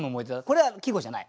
これは季語じゃない？